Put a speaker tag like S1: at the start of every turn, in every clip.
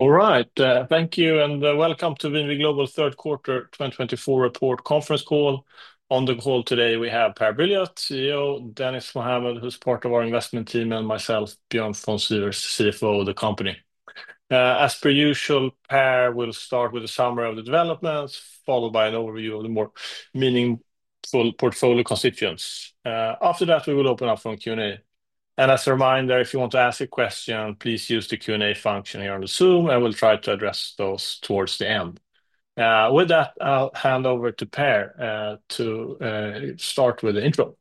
S1: All right, thank you, and welcome to VNV Global's Third Quarter 2024 Report Conference Call. On the call today, we have Per Brilioth, CEO; Dennis Mohammad, who's part of our investment team; and myself, Björn von Sivers, CFO of the company. As per usual, Per will start with a summary of the developments, followed by an overview of the more meaningful portfolio constituents. After that, we will open up for a Q&A. And as a reminder, if you want to ask a question, please use the Q&A function here on Zoom. I will try to address those towards the end. With that, I'll hand over to Per to start with the intro.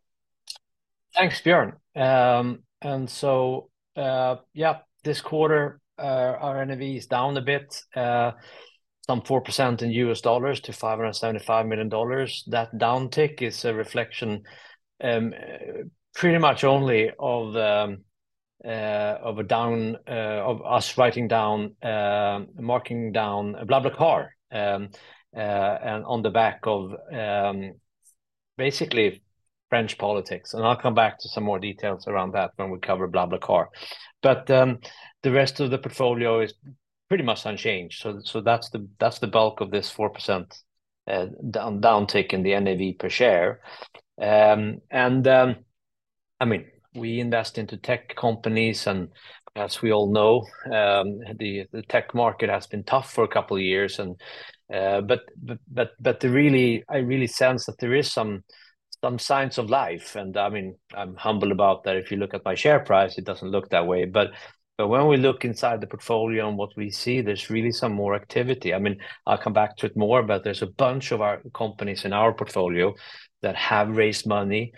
S2: Thanks, Björn. And so, yeah, this quarter, our NAV is down a bit, some 4% in US dollars to $575 million. That downtick is a reflection pretty much only of our writing down, marking down BlaBlaCar, and on the back of basically French politics. And I'll come back to some more details around that when we cover BlaBlaCar. But the rest of the portfolio is pretty much unchanged. So that's the bulk of this 4% downtick in the NAV per share. And I mean, we invest into tech companies, and as we all know, the tech market has been tough for a couple of years. But I really sense that there are some signs of life. And I mean, I'm humbled about that. If you look at my share price, it doesn't look that way. But when we look inside the portfolio and what we see, there's really some more activity. I mean, I'll come back to it more, but there's a bunch of our companies in our portfolio that have raised money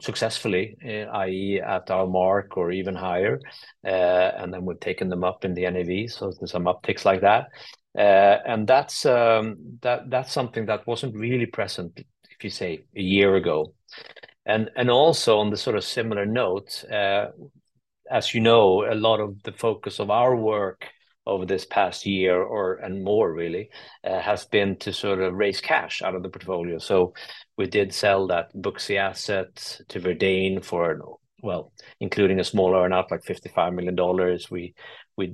S2: successfully, i.e., at our mark or even higher. And then we've taken them up in the NAV, so there's some upticks like that. And that's something that wasn't really present, if you say, a year ago. And also, on the sort of similar note, as you know, a lot of the focus of our work over this past year, or and more really, has been to sort of raise cash out of the portfolio. So we did sell that Booksy asset to Verdane for, well, including a small earn-out like $55 million.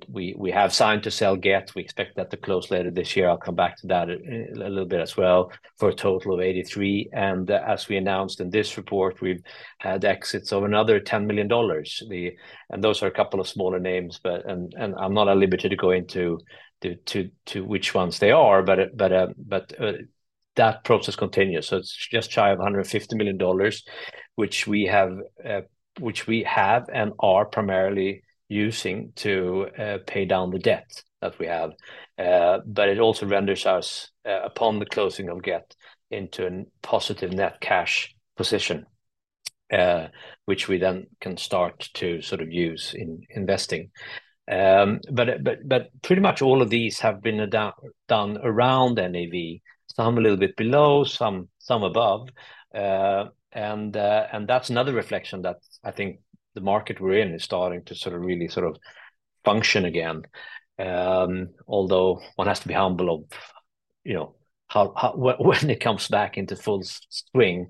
S2: We have signed to sell Gett. We expect that to close later this year. I'll come back to that a little bit as well, for a total of $83 million, and as we announced in this report, we've had exits of another $10 million, and those are a couple of smaller names, and I'm not at liberty to go into which ones they are, but that process continues, so it's just shy of $150 million, which we have and are primarily using to pay down the debt that we have, but it also renders us, upon the closing of Gett, into a positive net cash position, which we then can start to sort of use in investing, but pretty much all of these have been done around NAV, some a little bit below, some above, and that's another reflection that I think the market we're in is starting to sort of really sort of function again. Although one has to be humble of when it comes back into full swing.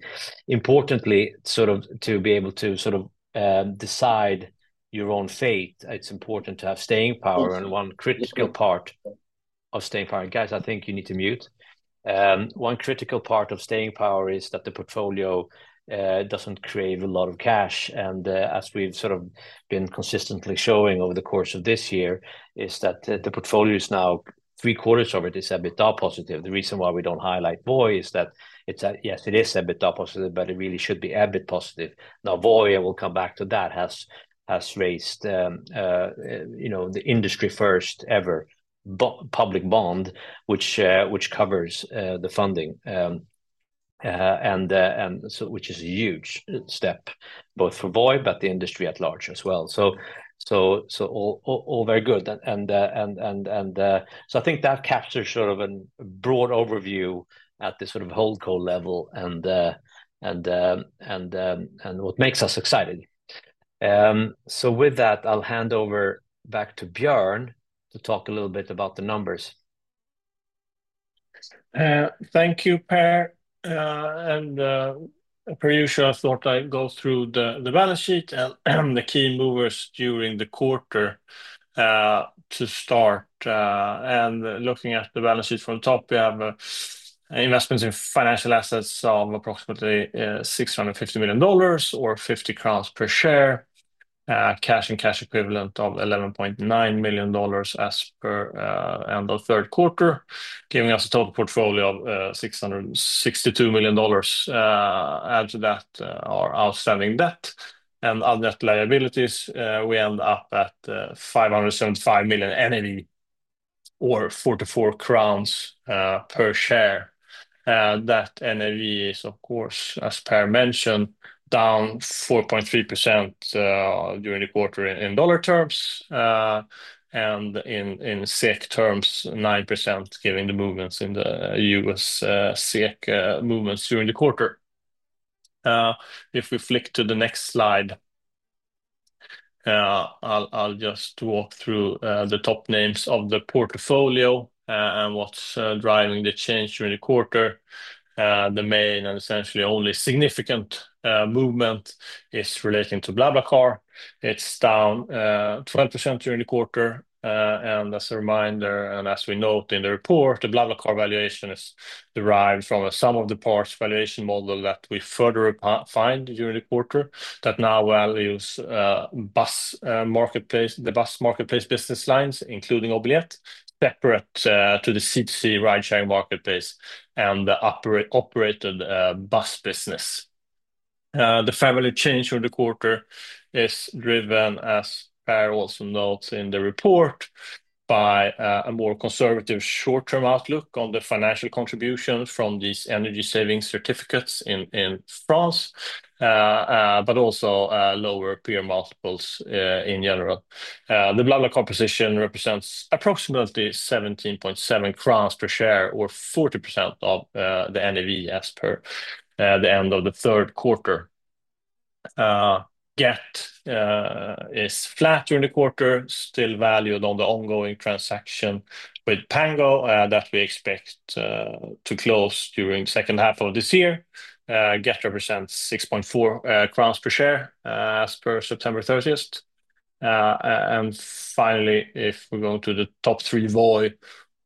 S2: Importantly, sort of to be able to sort of decide your own fate, it's important to have staying power. And one critical part of staying power, guys, I think you need to mute, one critical part of staying power is that the portfolio doesn't crave a lot of cash. And as we've sort of been consistently showing over the course of this year, is that the portfolio is now three quarters of it is EBITDA positive. The reason why we don't highlight Voi is that, yes, it is EBITDA positive, but it really should be EBIT positive. Now, Voi, I will come back to that, has raised the industry-first ever public bond, which covers the funding, which is a huge step, both for Voi, but the industry at large as well. So all very good. And so I think that captures sort of a broad overview at the sort of whole core level and what makes us excited. So with that, I'll hand over back to Björn to talk a little bit about the numbers.
S1: Thank you, Per, and per usual, I thought I'd go through the balance sheet and the key movers during the quarter to start, and looking at the balance sheet from the top, we have investments in financial assets of approximately $650 million, or 50 crowns per share, cash and cash equivalent of $11.9 million as per end of third quarter, giving us a total portfolio of $662 million. Add to that our outstanding debt and other debt liabilities, we end up at $575 million NAV, or 44 crowns per share. That NAV is, of course, as Per mentioned, down 4.3% during the quarter in dollar terms, and in SEK terms, 9%, giving the movements in the USD/SEK during the quarter. If we flick to the next slide, I'll just walk through the top names of the portfolio and what's driving the change during the quarter. The main and essentially only significant movement is relating to BlaBlaCar. It's down 12% during the quarter. As a reminder, and as we note in the report, the BlaBlaCar valuation is derived from a sum of the parts valuation model that we further refined during the quarter, that now values the bus marketplace business lines, including Obilet, separate to the C2C ride-sharing marketplace and the operated bus business. The valuation change of the quarter is driven, as Per also notes in the report, by a more conservative short-term outlook on the financial contribution from these energy savings certificates in France, but also lower peer multiples in general. The BlaBlaCar position represents approximately 17.7 crowns per share, or 40% of the NAV as per the end of the third quarter. Gett is flat during the quarter, still valued on the ongoing transaction with Pango that we expect to close during the second half of this year. Gett represents 6.4 crowns per share as per September 30th. And finally, if we go to the top three Voi,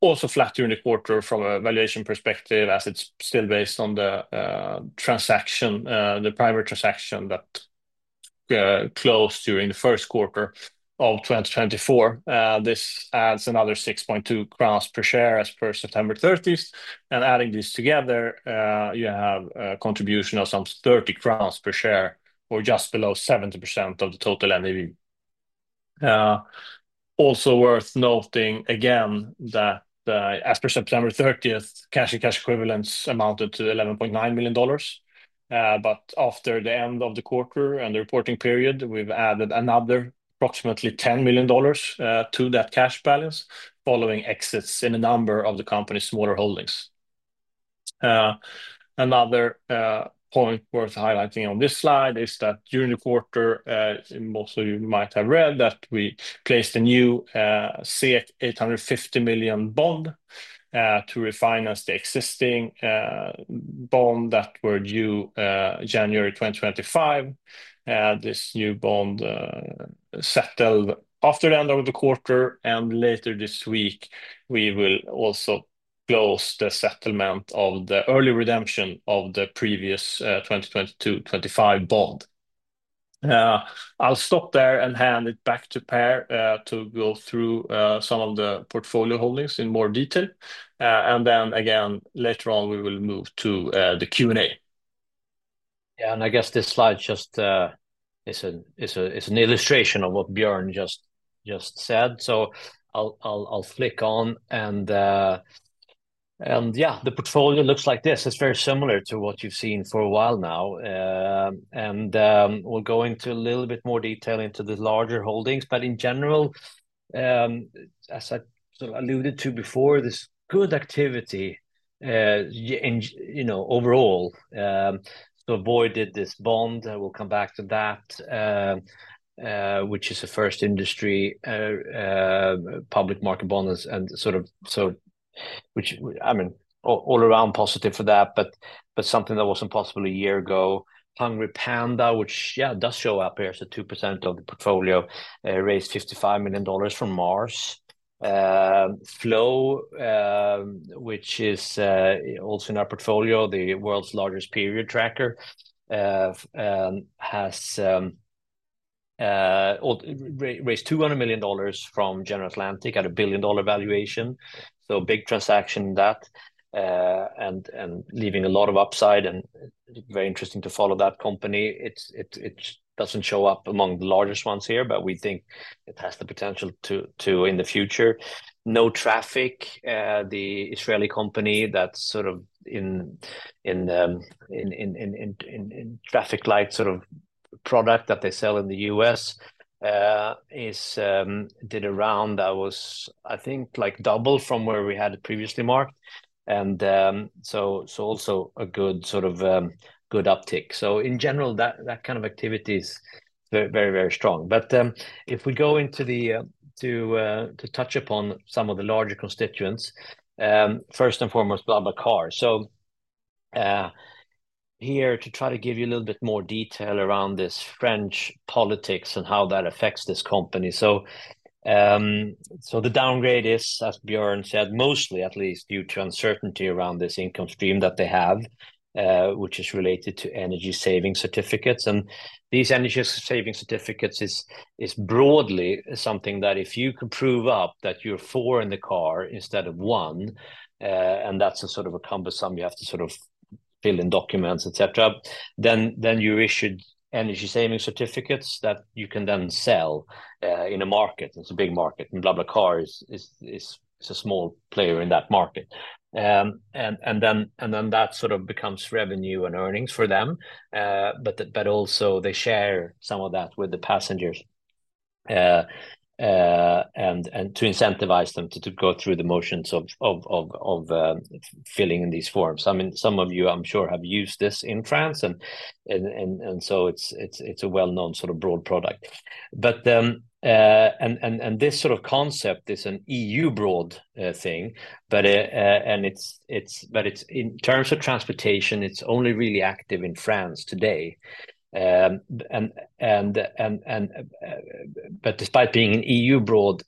S1: also flat during the quarter from a valuation perspective, as it's still based on the primary transaction that closed during the first quarter of 2024. This adds another 6.2 crowns per share as per September 30th. And adding these together, you have a contribution of some 30 crowns per share, or just below 70% of the total NAV. Also worth noting, again, that as per September 30th, cash and cash equivalents amounted to $11.9 million. But after the end of the quarter and the reporting period, we've added another approximately $10 million to that cash balance following exits in a number of the company's smaller holdings. Another point worth highlighting on this slide is that during the quarter, most of you might have read that we placed a new 850 million bond to refinance the existing bond that were due January 2025. This new bond settled after the end of the quarter. And later this week, we will also close the settlement of the early redemption of the previous 2022-2025 bond. I'll stop there and hand it back to Per to go through some of the portfolio holdings in more detail. And then again, later on, we will move to the Q&A.
S2: Yeah, and I guess this slide just is an illustration of what Björn just said. So I'll flick on. And yeah, the portfolio looks like this. It's very similar to what you've seen for a while now. And we'll go into a little bit more detail into the larger holdings. But in general, as I alluded to before, there's good activity overall. So Voi did this bond. We'll come back to that, which is a first industry public market bond. And sort of, I mean, all around positive for that, but something that wasn't possible a year ago. HungryPanda, which, yeah, does show up here. So 2% of the portfolio raised $55 million from Mars. Flo, which is also in our portfolio, the world's largest period tracker, has raised $200 million from General Atlantic at a billion-dollar valuation. So big transaction in that and leaving a lot of upside. Very interesting to follow that company. It doesn't show up among the largest ones here, but we think it has the potential to in the future. NoTraffic, the Israeli company that's sort of in traffic light sort of product that they sell in the U.S., did a round that was, I think, like double from where we had it previously marked. And so also a good sort of uptick. In general, that kind of activity is very, very strong. If we go in to touch upon some of the larger constituents, first and foremost, BlaBlaCar. Here to try to give you a little bit more detail around this French politics and how that affects this company. The downgrade is, as Björn said, mostly at least due to uncertainty around this income stream that they have, which is related to Energy Savings Certificates. These Energy Savings Certificates is broadly something that if you can prove up that you're four in the car instead of one, and that's a sort of a cumbersome you have to sort of fill in documents, et cetera, then you're issued Energy Savings Certificates that you can then sell in a market. It's a big market. BlaBlaCar is a small player in that market. That sort of becomes revenue and earnings for them. Also they share some of that with the passengers and to incentivize them to go through the motions of filling in these forms. I mean, some of you, I'm sure, have used this in France. It's a well-known sort of broad product. This sort of concept is an EU broad thing. In terms of transportation, it's only really active in France today. Despite being an EU broad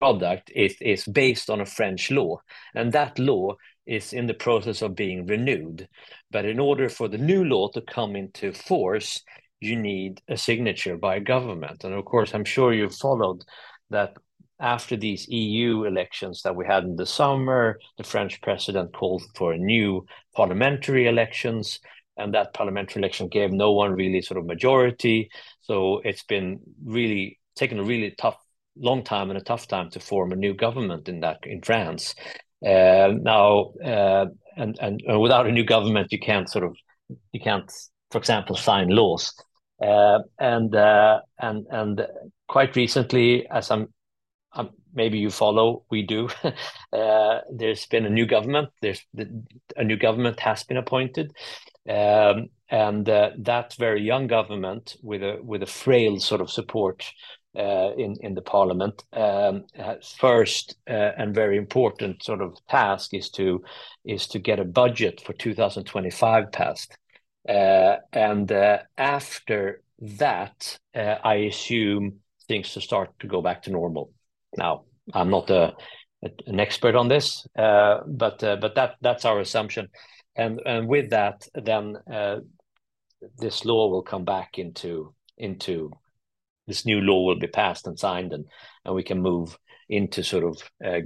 S2: product, it's based on a French law. That law is in the process of being renewed. In order for the new law to come into force, you need a signature by government. Of course, I'm sure you followed that after these EU elections that we had in the summer, the French president called for new parliamentary elections. That parliamentary election gave no one really sort of majority. It's been really taken a really long time and a tough time to form a new government in France. Now without a new government, you can't sort of, for example, sign laws. Quite recently, as maybe you follow, we do, there's been a new government. A new government has been appointed. And that very young government, with a frail sort of support in the parliament, first and very important sort of task is to get a budget for 2025 passed. And after that, I assume things will start to go back to normal. Now, I'm not an expert on this, but that's our assumption. And with that, then this law will come back into this new law will be passed and signed, and we can move into sort of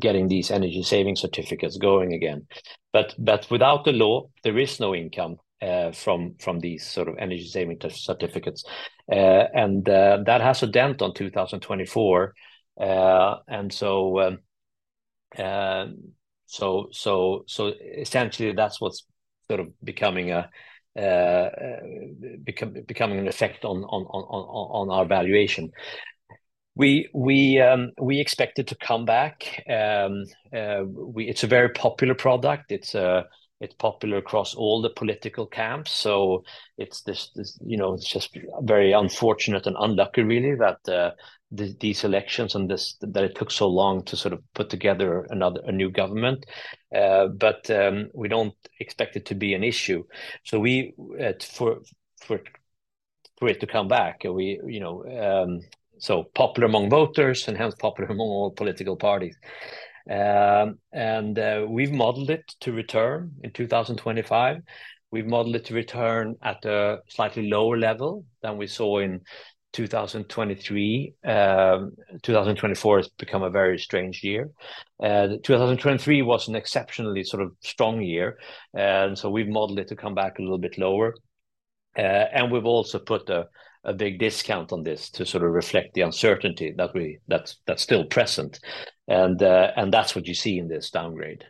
S2: getting these Energy Savings Certificates going again. But without the law, there is no income from these sort of Energy Savings Certificates. And that has a dent on 2024. And so essentially, that's what's sort of becoming an effect on our valuation. We expect it to come back. It's a very popular product. It's popular across all the political camps. So it's just very unfortunate and unlucky, really, that these elections and that it took so long to sort of put together a new government. But we don't expect it to be an issue. So for it to come back, so popular among voters and hence popular among all political parties. And we've modeled it to return in 2025. We've modeled it to return at a slightly lower level than we saw in 2023. 2024 has become a very strange year. 2023 was an exceptionally sort of strong year. And so we've modeled it to come back a little bit lower. And we've also put a big discount on this to sort of reflect the uncertainty that's still present. And that's what you see in this downgrade.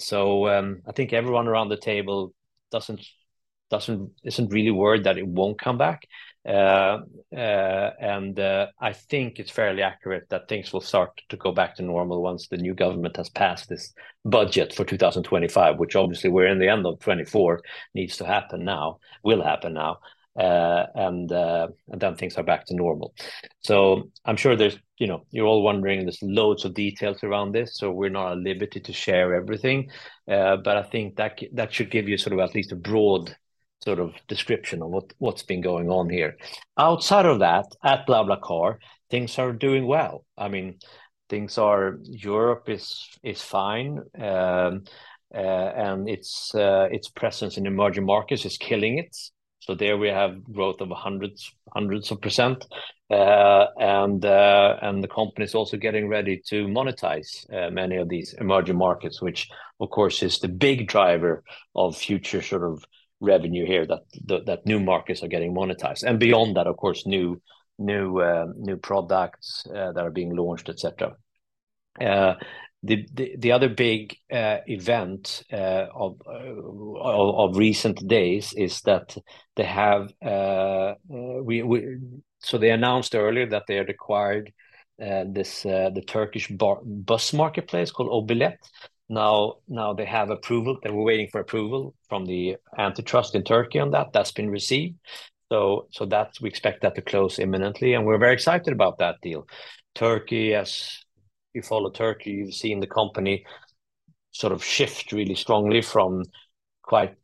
S2: So I think everyone around the table isn't really worried that it won't come back. I think it's fairly accurate that things will start to go back to normal once the new government has passed this budget for 2025, which obviously we're in the end of 2024 needs to happen now, will happen now. Then things are back to normal. I'm sure you're all wondering, there's loads of details around this. We're not at liberty to share everything. But I think that should give you sort of at least a broad sort of description of what's been going on here. Outside of that, at BlaBlaCar, things are doing well. I mean, Europe is fine. Its presence in emerging markets is killing it. There we have growth of hundreds of %. And the company is also getting ready to monetize many of these emerging markets, which, of course, is the big driver of future sort of revenue here, that new markets are getting monetized. And beyond that, of course, new products that are being launched, et cetera. The other big event of recent days is that they have, so they announced earlier that they had acquired the Turkish bus marketplace called Obilet. Now they have approval. They were waiting for approval from the antitrust in Turkey on that. That's been received. So we expect that to close imminently. And we're very excited about that deal. Turkey, as you follow Turkey, you've seen the company sort of shift really strongly from quite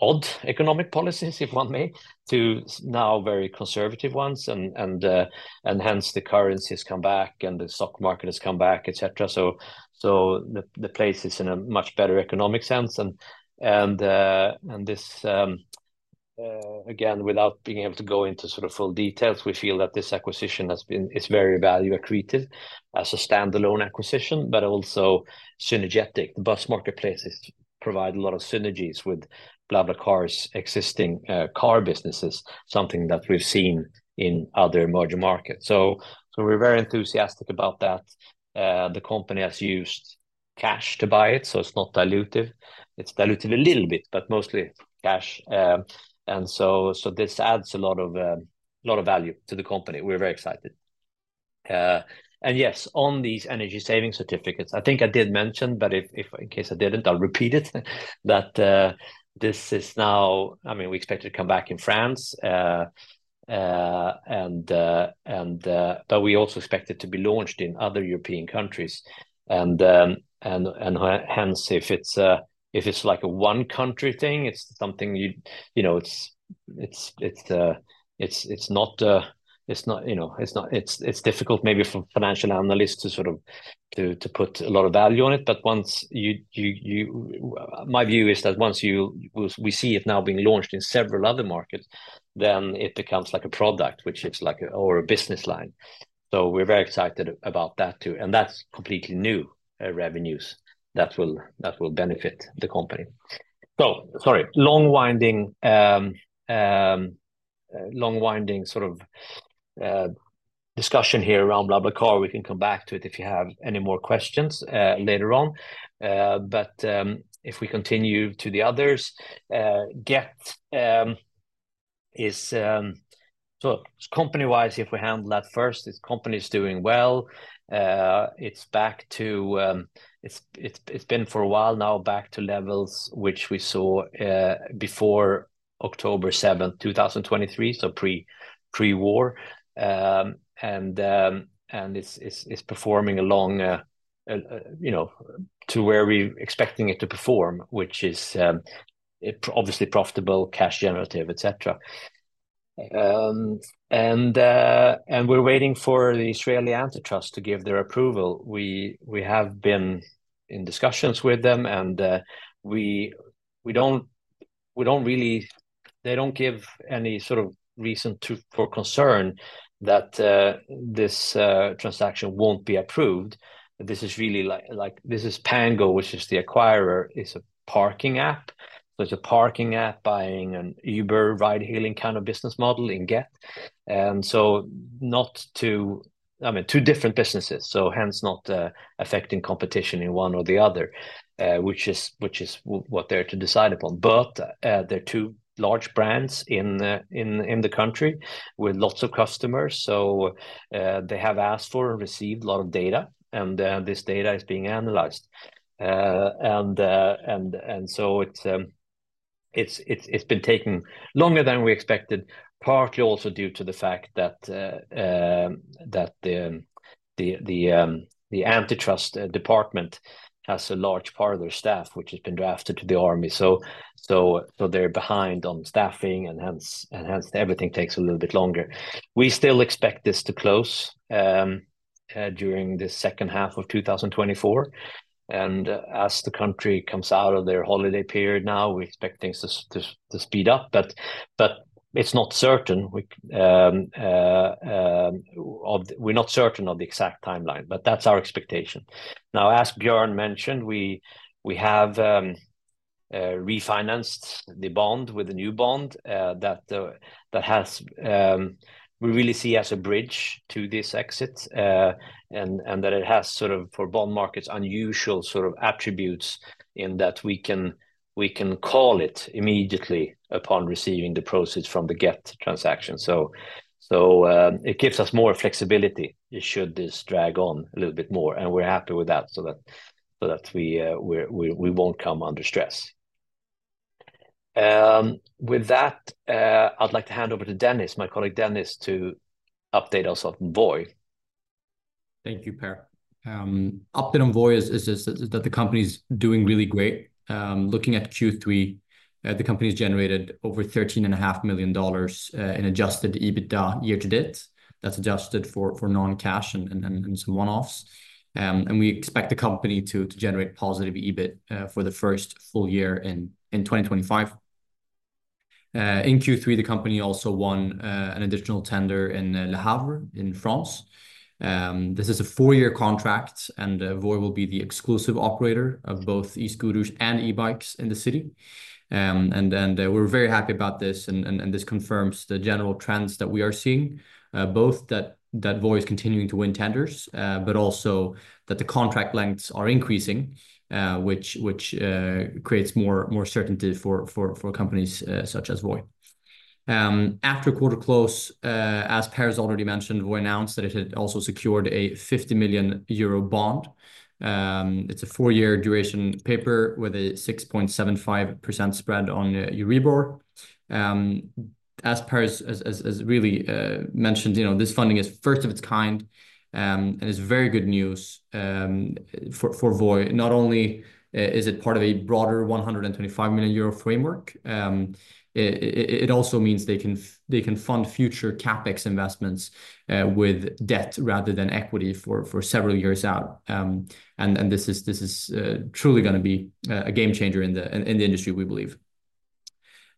S2: odd economic policies, if one may, to now very conservative ones. And hence the currencies come back and the stock market has come back, et cetera. So the place is in a much better economic sense. And this, again, without being able to go into sort of full details, we feel that this acquisition has been very value accretive as a standalone acquisition, but also synergetic. The bus marketplaces provide a lot of synergies with BlaBlaCar's existing car businesses, something that we've seen in other emerging markets. So we're very enthusiastic about that. The company has used cash to buy it. So it's not dilutive. It's dilutive a little bit, but mostly cash. And so this adds a lot of value to the company. We're very excited. And yes, on these Energy Savings Certificates, I think I did mention, but in case I didn't, I'll repeat it, that this is now, I mean, we expect it to come back in France. But we also expect it to be launched in other European countries. And hence, if it's like a one country thing, it's something it's not. It's difficult maybe for financial analysts to sort of put a lot of value on it. But my view is that once we see it now being launched in several other markets, then it becomes like a product, which is like or a business line. So we're very excited about that too. And that's completely new revenues that will benefit the company. So sorry, long-winded sort of discussion here around BlaBlaCar. We can come back to it if you have any more questions later on. But if we continue to the others, Gett is so company-wise, if we handle that first, this company is doing well. It's been back to levels for a while now which we saw before October 7, 2023, so pre-war. It's performing along to where we're expecting it to perform, which is obviously profitable, cash generative, et cetera. We're waiting for the Israeli antitrust to give their approval. We have been in discussions with them. They don't give any sort of reason for concern that this transaction won't be approved. This is really Pango, which is the acquirer, is a parking app. It's a parking app buying an Uber ride-hailing kind of business model in Gett. And so not to, I mean, two different businesses. Hence not affecting competition in one or the other, which is what they're to decide upon. They're two large brands in the country with lots of customers. They have asked for and received a lot of data. This data is being analyzed. It's been taking longer than we expected, partly also due to the fact that the antitrust department has a large part of their staff, which has been drafted to the army. So they're behind on staffing. Hence everything takes a little bit longer. We still expect this to close during the second half of 2024. As the country comes out of their holiday period now, we expect things to speed up. But it's not certain. We're not certain of the exact timeline. But that's our expectation. Now, as Björn mentioned, we have refinanced the bond with a new bond that we really see as a bridge to this exit. It has sort of for bond markets unusual sort of attributes in that we can call it immediately upon receiving the proceeds from the Gett transaction. So it gives us more flexibility should this drag on a little bit more. And we're happy with that so that we won't come under stress. With that, I'd like to hand over to Dennis, my colleague Dennis, to update us on Voi. Thank you, Per. Update on Voi is that the company is doing really great. Looking at Q3, the company has generated over $13.5 million in Adjusted EBITDA year to date. That's adjusted for non-cash and some one-offs. And we expect the company to generate positive EBIT for the first full year in 2025. In Q3, the company also won an additional tender in Le Havre in France. This is a four-year contract, and Voi will be the exclusive operator of both e-scooters and e-bikes in the city. And we're very happy about this. This confirms the general trends that we are seeing, both that Voi is continuing to win tenders, but also that the contract lengths are increasing, which creates more certainty for companies such as Voi. After quarter close, as Per has already mentioned, Voi announced that it had also secured a 50 million euro bond. It's a four-year duration paper with a 6.75% spread on Euribor. As Per has really mentioned, this funding is first of its kind. It's very good news for Voi. Not only is it part of a broader 125 million euro framework, it also means they can fund future CapEx investments with debt rather than equity for several years out. This is truly going to be a game changer in the industry, we believe.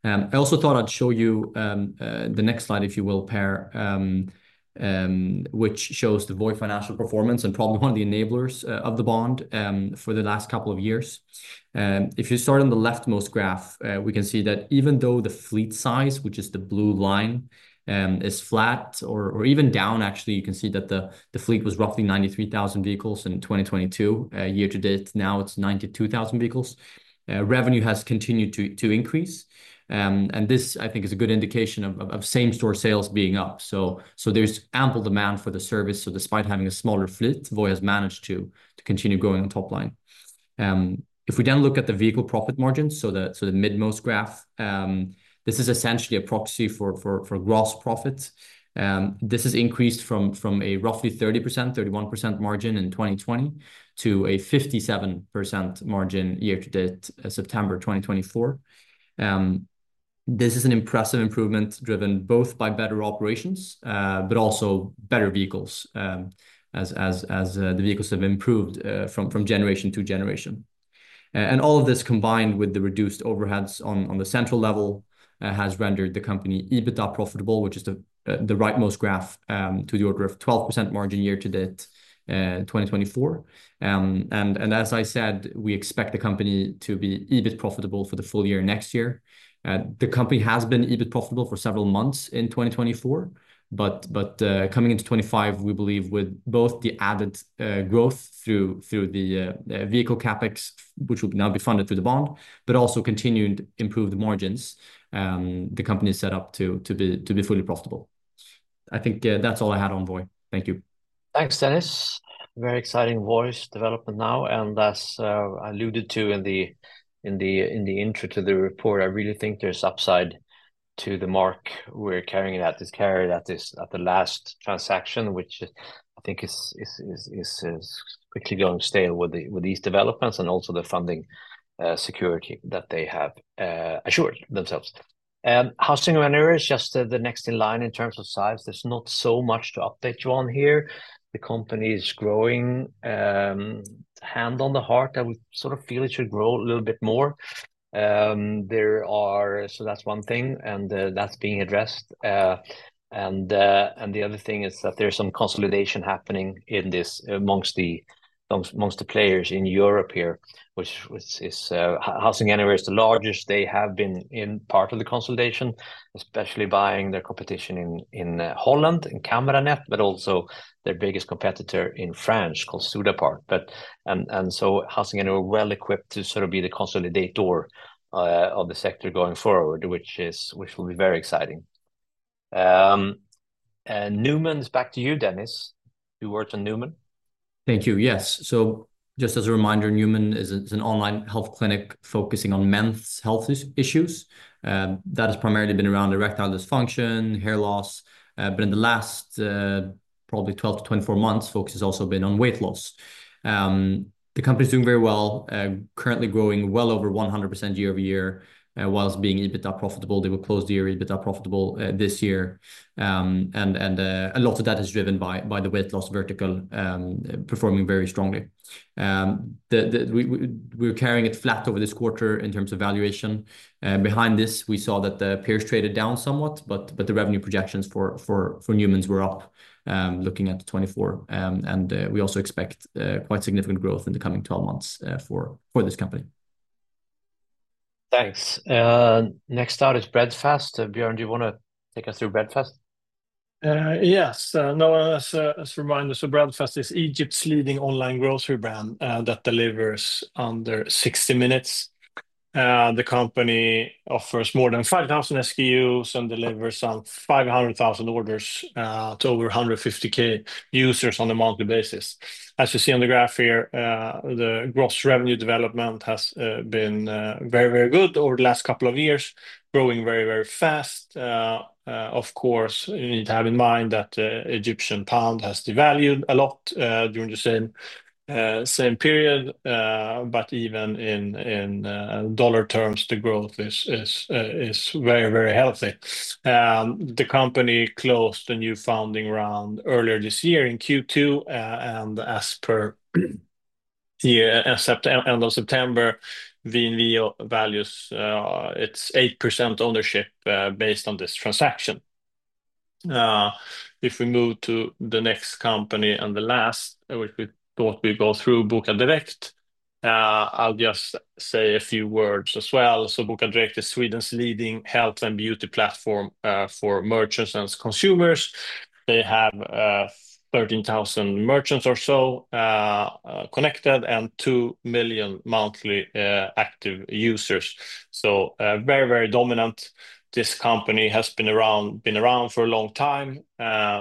S2: I also thought I'd show you the next slide, if you will, Per, which shows the Voi financial performance and probably one of the enablers of the bond for the last couple of years. If you start on the leftmost graph, we can see that even though the fleet size, which is the blue line, is flat or even down, actually, you can see that the fleet was roughly 93,000 vehicles in 2022. Year to date, now it's 92,000 vehicles. Revenue has continued to increase, and this, I think, is a good indication of same-store sales being up, so there's ample demand for the service, so despite having a smaller fleet, Voi has managed to continue going on top line. If we then look at the vehicle profit margins, so the midmost graph, this is essentially a proxy for gross profits. This has increased from a roughly 30%-31% margin in 2020 to a 57% margin year to date, September 2024. This is an impressive improvement driven both by better operations, but also better vehicles as the vehicles have improved from generation to generation, and all of this combined with the reduced overheads on the central level has rendered the company EBITDA profitable, which is the rightmost graph to the order of 12% margin year to date 2024, and as I said, we expect the company to be EBIT profitable for the full year next year. The company has been EBIT profitable for several months in 2024, but coming into 2025, we believe with both the added growth through the vehicle CapEx, which will now be funded through the bond, but also continued improved margins, the company is set up to be fully profitable. I think that's all I had on Voi. Thank you. Thanks, Dennis. Very exciting Voi's development now. And as I alluded to in the intro to the report, I really think there's upside to the mark we're carrying at this last transaction, which I think is quickly going to stay with these developments and also the funding security that they have assured themselves. HousingAnywhere is just the next in line in terms of size. There's not so much to update you on here. The company is growing. Hand on the heart, I would sort of feel it should grow a little bit more. So that's one thing. And that's being addressed. And the other thing is that there's some consolidation happening amongst the players in Europe here, which is HousingAnywhere is the largest. They have been in part of the consolidation, especially buying their competition in Holland, in Kamernet, but also their biggest competitor in France called Studapart, and so HousingAnywhere is well equipped to sort of be the consolidator of the sector going forward, which will be very exciting. Numan, back to you, Dennis. You worked on Numan. Thank you. Yes. So just as a reminder, Numan is an online health clinic focusing on men's health issues. That has primarily been around erectile dysfunction, hair loss. But in the last probably 12 to 24 months, focus has also been on weight loss. The company is doing very well, currently growing well over 100% year over year while being EBITDA profitable. They will close the year EBITDA profitable this year. And a lot of that is driven by the weight loss vertical performing very strongly. We're carrying it flat over this quarter in terms of valuation. Behind this, we saw that the peers traded down somewhat, but the revenue projections for Numan's were up looking at 2024, and we also expect quite significant growth in the coming 12 months for this company. Thanks. Next out is Breadfast. Björn, do you want to take us through Breadfast?
S1: Yes. As a reminder, so Breadfast is Egypt's leading online grocery brand that delivers under 60 minutes. The company offers more than 5,000 SKUs and delivers some 500,000 orders to over 150,000 users on a monthly basis. As you see on the graph here, the gross revenue development has been very, very good over the last couple of years, growing very, very fast. Of course, you need to have in mind that the Egyptian pound has devalued a lot during the same period. But even in dollar terms, the growth is very, very healthy. The company closed the new funding round earlier this year in Q2. And as per end of September, VNV values its 8% ownership based on this transaction. If we move to the next company and the last, which we thought we'd go through, Bokadirekt, I'll just say a few words as well. So Bokadirekt is Sweden's leading health and beauty platform for merchants and consumers. They have 13,000 merchants or so connected and 2 million monthly active users. So very, very dominant. This company has been around for a long time.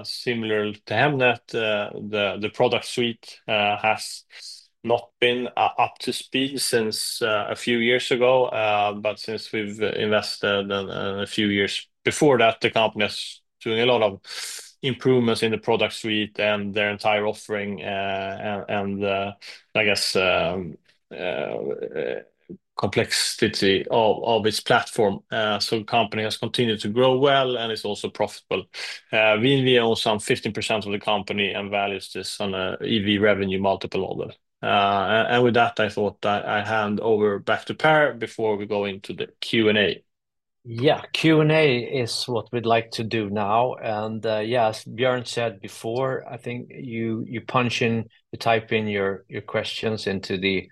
S1: Similar to Hemnet, the product suite has not been up to speed since a few years ago. But since we've invested a few years before that, the company has done a lot of improvements in the product suite and their entire offering and, I guess, complexity of its platform, so the company has continued to grow well and is also profitable. VNV owns some 15% of the company and values this on an EV revenue multiple, and with that, I thought I hand over back to Per before we go into the Q&A.
S2: Yeah, Q&A is what we'd like to do now, and yes, Björn said before, I think you punch in, you type in your questions into the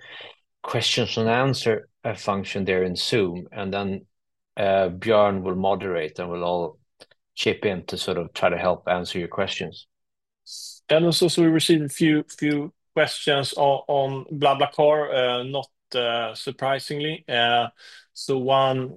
S2: questions and answer function there in Zoom, and then Björn will moderate and will all chip in to sort of try to help answer your questions, and
S3: also so we received a few questions on BlaBlaCar, not surprisingly. So one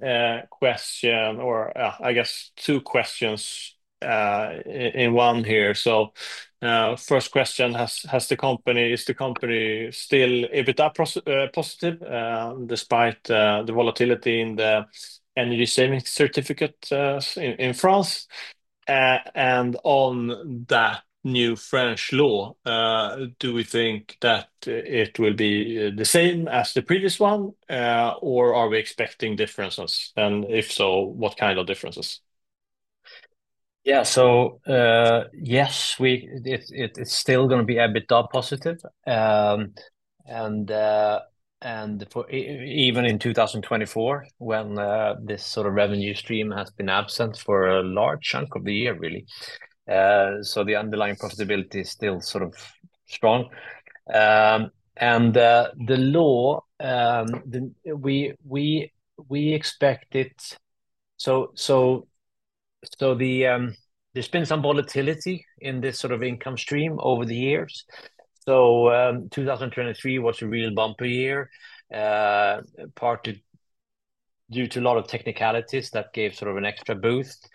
S3: question, or I guess two questions in one here, so first question has the company, is the company still EBITDA positive despite the volatility in the energy savings certificate in France? And on that new French law, do we think that it will be the same as the previous one? Or are we expecting differences? And if so, what kind of differences?
S1: Yeah, so yes, it's still going to be EBITDA positive, and even in 2024, when this sort of revenue stream has been absent for a large chunk of the year, really, so the underlying profitability is still sort of strong, and the law, we expect it, so there's been some volatility in this sort of income stream over the years, so 2023 was a real bumper year, partly due to a lot of technicalities that gave sort of an extra boost.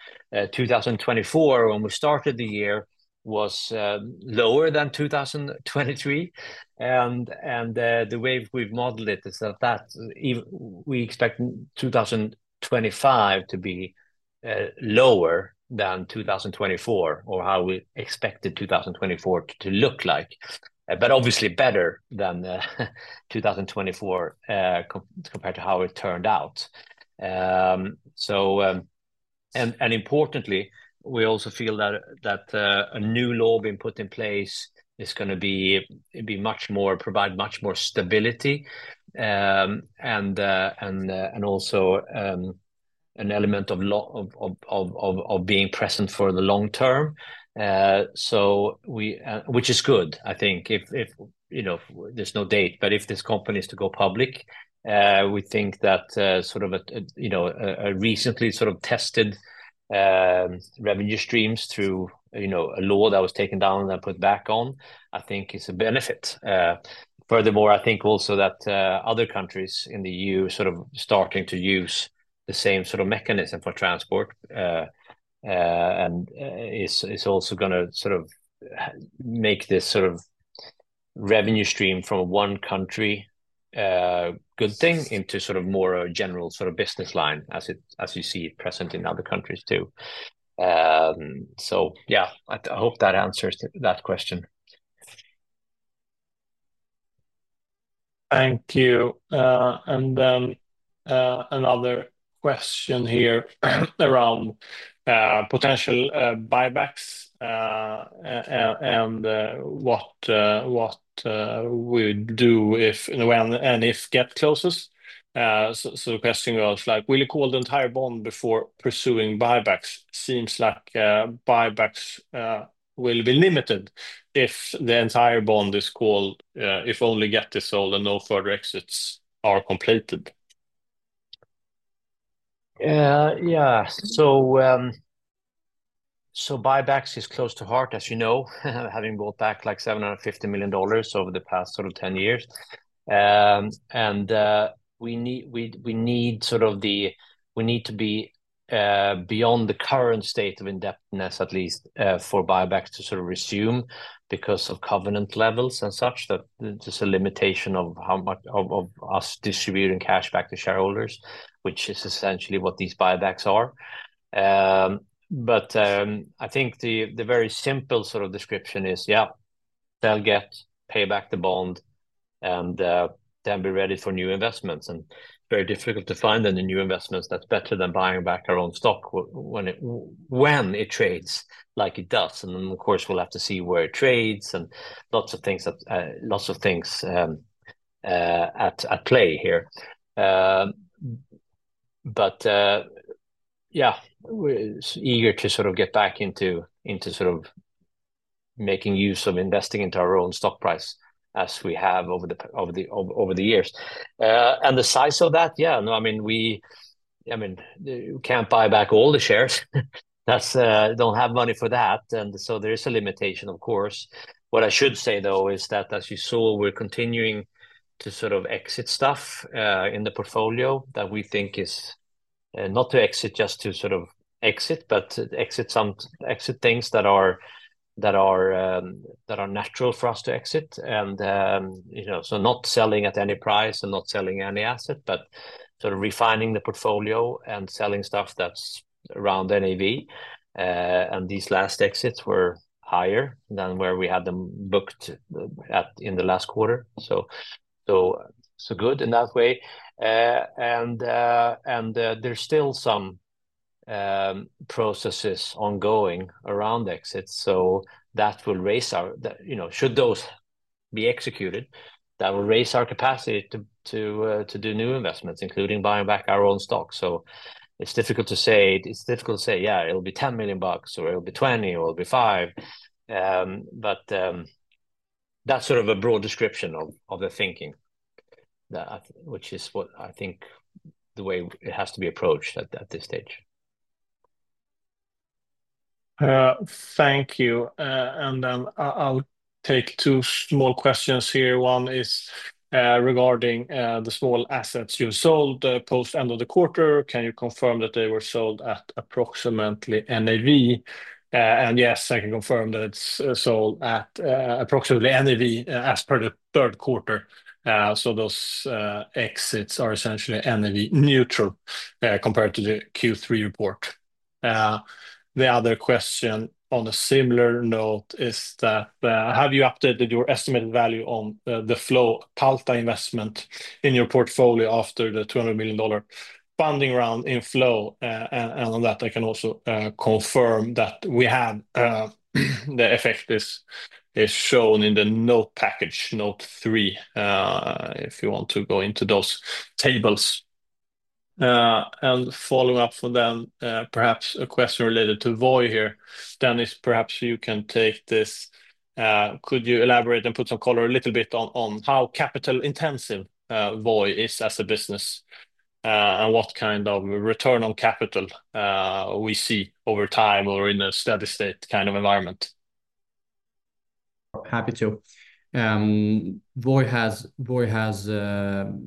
S1: 2024, when we started the year, was lower than 2023, and the way we've modeled it is that we expect 2025 to be lower than 2024 or how we expected 2024 to look like, but obviously better than 2024 compared to how it turned out. And importantly, we also feel that a new law being put in place is going to provide much more stability and also an element of being present for the long term, which is good, I think, if there's no doubt. But if this company is to go public, we think that a recently tested revenue streams through a law that was taken down and put back on, I think is a benefit. Furthermore, I think also that other countries in the EU are sort of starting to use the same sort of mechanism for transport. It's also going to sort of make this sort of revenue stream from one country good thing into sort of more general sort of business line as you see it present in other countries too. Yeah, I hope that answers that question.
S3: Thank you. Then another question here around potential buybacks and what we do if and if Gett closes. The question goes like, will you call the entire bond before pursuing buybacks? Seems like buybacks will be limited if the entire bond is called, if only Gett is sold and no further exits are completed.
S1: Yeah. Buybacks is close to heart, as you know, having bought back like $750 million over the past sort of 10 years. We need to be beyond the current state of indebtedness, at least for buybacks to sort of resume because of covenant levels and such. That's a limitation of how much of us distributing cash back to shareholders, which is essentially what these buybacks are. I think the very simple sort of description is, yeah, they'll pay back the bond and then be ready for new investments. Very difficult to find any new investments that's better than buying back our own stock when it trades like it does. Of course, we'll have to see where it trades and lots of things, lots of things at play here. Yeah, we're eager to sort of get back into sort of making use of investing into our own stock price as we have over the years. The size of that, yeah, no, I mean, we can't buy back all the shares. We don't have money for that. So there is a limitation, of course. What I should say, though, is that as you saw, we're continuing to sort of exit stuff in the portfolio that we think is not to exit just to sort of exit, but exit things that are natural for us to exit. So not selling at any price and not selling any asset, but sort of refining the portfolio and selling stuff that's around NAV. These last exits were higher than where we had them booked in the last quarter. So good in that way. There's still some processes ongoing around exits. So that will raise our capacity should those be executed. That will raise our capacity to do new investments, including buying back our own stock. It's difficult to say, yeah, it'll be $10 million or it'll be $20 million or it'll be $5 million. But that's sort of a broad description of the thinking, which is what I think the way it has to be approached at this stage.
S3: Thank you, and then I'll take two small questions here. One is regarding the small assets you sold post-end of the quarter. Can you confirm that they were sold at approximately NAV? And yes, I can confirm that it's sold at approximately NAV as per the third quarter. So those exits are essentially NAV neutral compared to the Q3 report. The other question on a similar note is that have you updated your estimated value on the Flo Palta investment in your portfolio after the $200 million funding round in Flo? On that, I can also confirm that the effect is shown in the note package, note three, if you want to go into those tables. Following up from then, perhaps a question related to Voi here, Dennis, perhaps you can take this. Could you elaborate and put some color a little bit on how capital-intensive Voi is as a business and what kind of return on capital we see over time or in a steady-state kind of environment?
S4: Happy to. Voi has, as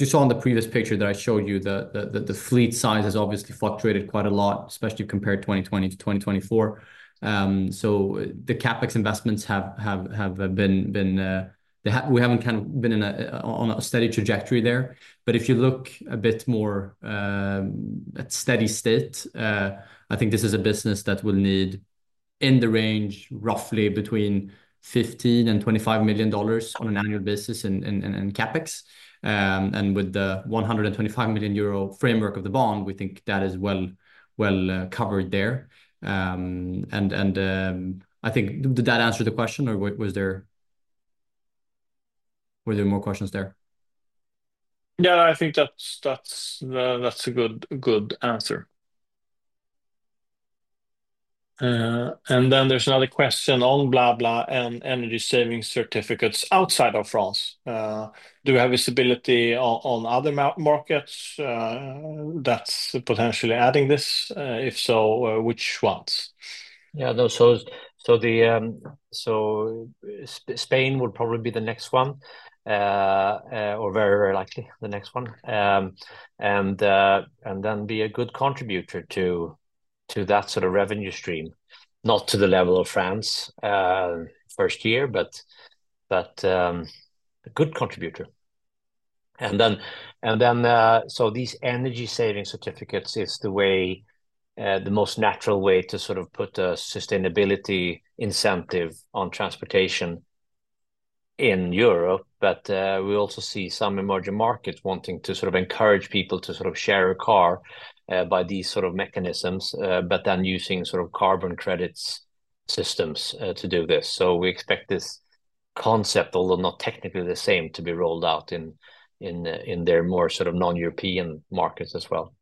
S4: you saw in the previous picture that I showed you, the fleet size has obviously fluctuated quite a lot, especially compared to 2020 to 2024. The CapEx investments have been. We haven't kind of been on a steady trajectory there. But if you look a bit more at steady state, I think this is a business that will need in the range roughly between $15 million and $25 million on an annual basis in CapEx. And with the 125 million euro framework of the bond, we think that is well covered there. And I think, did that answer the question or were there more questions there?
S3: Yeah, I think that's a good answer. And then there's another question on BlaBlaCar and Energy Savings Certificates outside of France. Do we have visibility on other markets that's potentially adding this? If so, which ones?
S2: Yeah, so Spain would probably be the next one or very, very likely the next one. And then be a good contributor to that sort of revenue stream, not to the level of France first year, but a good contributor. These energy savings certificates are the most natural way to sort of put a sustainability incentive on transportation in Europe. But we also see some emerging markets wanting to sort of encourage people to sort of share a car by these sort of mechanisms, but then using sort of carbon credits systems to do this. So we expect this concept, although not technically the same, to be rolled out in their more sort of non-European markets as well.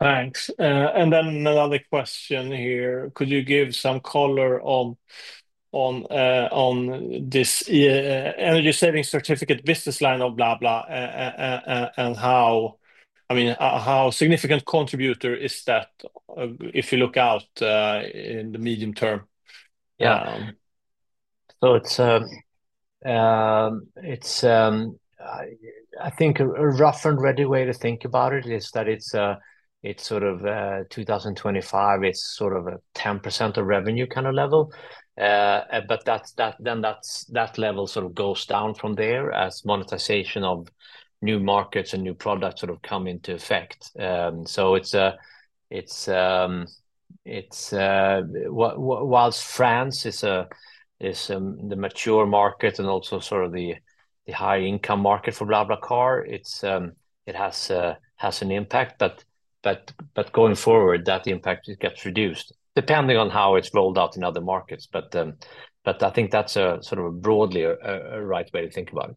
S3: Thanks. And then another question here. Could you give some color on this energy savings certificate business line of BlaBlaCar and how, I mean, how significant contributor is that if you look out in the medium term?
S1: Yeah. So I think a rough and ready way to think about it is that it's sort of 2025, it's sort of a 10% of revenue kind of level. But then that level sort of goes down from there as monetization of new markets and new products sort of come into effect. So while France is the mature market and also sort of the high-income market for BlaBlaCar, it has an impact. But going forward, that impact gets reduced depending on how it's rolled out in other markets. But I think that's sort of a broadly right way to think about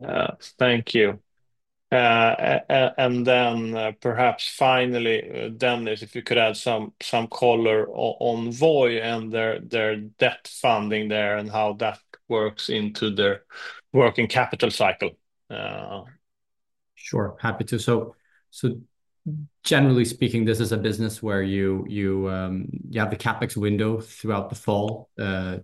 S1: it.
S3: Thank you. And then perhaps finally, Dennis, if you could add some color on Voi and their debt funding there and how that works into their working capital cycle.
S4: Sure. Happy to. So generally speaking, this is a business where you have the CapEx window throughout the fall,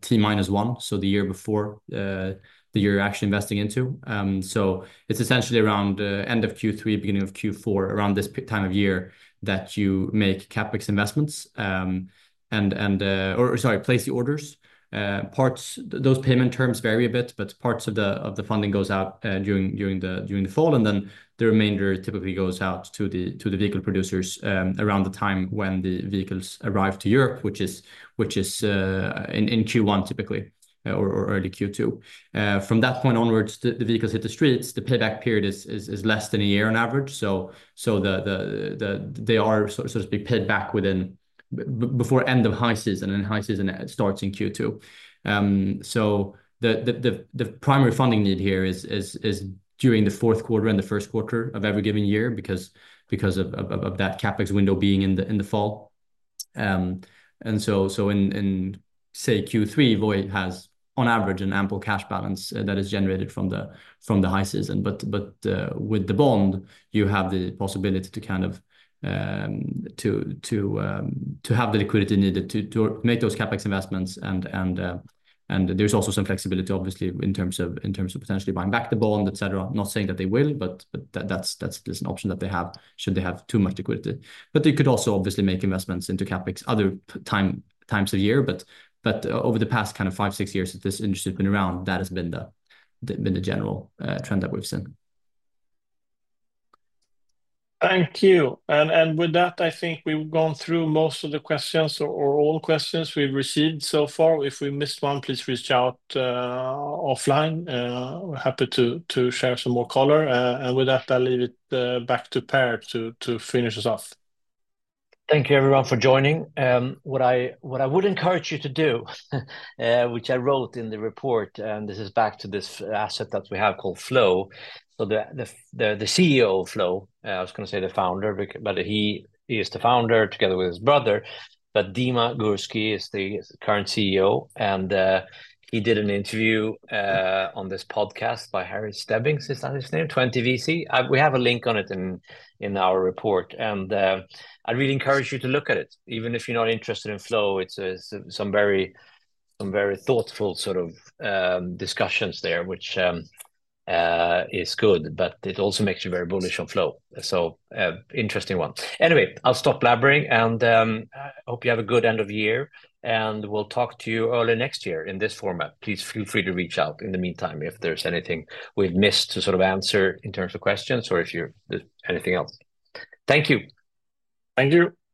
S4: T minus one, so the year before the year you're actually investing into. It's essentially around the end of Q3, beginning of Q4, around this time of year that you make CapEx investments and, or sorry, place the orders. Those payment terms vary a bit, but parts of the funding goes out during the fall. And then the remainder typically goes out to the vehicle producers around the time when the vehicles arrive to Europe, which is in Q1 typically or early Q2. From that point onwards, the vehicles hit the streets. The payback period is less than a year on average. So they are sort of being paid back before end of high season, and high season starts in Q2. So the primary funding need here is during the fourth quarter and the first quarter of every given year because of that CapEx window being in the fall. And so in, say, Q3, Voi has, on average, an ample cash balance that is generated from the high season. But with the bond, you have the possibility to kind of have the liquidity needed to make those CapEx investments. And there's also some flexibility, obviously, in terms of potentially buying back the bond, etc. Not saying that they will, but that's an option that they have should they have too much liquidity. But they could also obviously make investments into CapEx other times of year. But over the past kind of five, six years that this industry has been around, that has been the general trend that we've seen.
S3: Thank you. And with that, I think we've gone through most of the questions or all questions we've received so far. If we missed one, please reach out offline. We're happy to share some more color. And with that, I'll leave it back to Per to finish us off.
S2: Thank you, everyone, for joining. What I would encourage you to do, which I wrote in the report, and this is back to this asset that we have called Flo. So the CEO of Flo, I was going to say the founder, but he is the founder together with his brother. But Dima Gurski is the current CEO. And he did an interview on this podcast by Harry Stebbings, is that his name? 20VC. We have a link on it in our report. And I'd really encourage you to look at it. Even if you're not interested in Flo, it's some very thoughtful sort of discussions there, which is good, but it also makes you very bullish on Flo. So interesting one. Anyway, I'll stop blabbering and hope you have a good end of year. We'll talk to you early next year in this format. Please feel free to reach out in the meantime if there's anything we've missed to sort of answer in terms of questions or if you're anything else. Thank you.
S3: Thank you.